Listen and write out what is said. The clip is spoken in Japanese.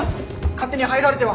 勝手に入られては。